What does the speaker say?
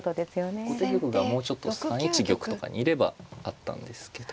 後手玉がもうちょっと３一玉とかにいればあったんですけど。